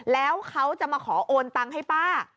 แล้วเขาจะมาขอโอนตังค์ให้ป้า